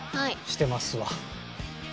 してますわ。